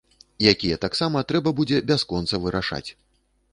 Якія таксама трэба будзе бясконца вырашаць.